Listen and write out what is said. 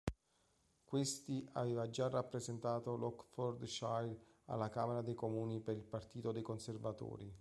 Questi aveva già rappresentato l'Oxfordshire alla Camera dei Comuni per il partito dei Conservatori.